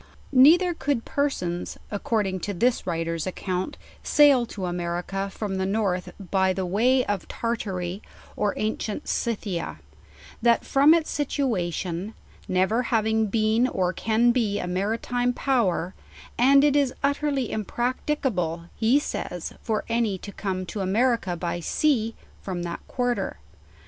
Neither could persons, according to this writers account, sail to America from the north by the way of Tarta ry or ancient Scythia; that from its situation, never having been or can be a maratime power; and it is utterly impracti cable, he says, for any to come to America by sea from that quarter.